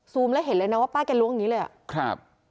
ซูมแล้วเห็นเลยนะว่าป้ากันล้วงอย่างนี้เลยอะ